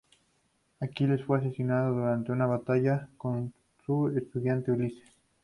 Aquiles fue asesinado durante una batalla con su estudiante Ulises.